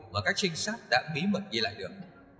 mà các trinh sát đã bí mật ghi lại được